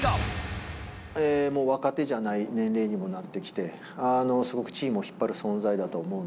もう若手じゃない年齢にもなってきて、すごくチームを引っ張る存在だと思う。